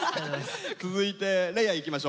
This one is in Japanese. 続いて嶺亜いきましょう。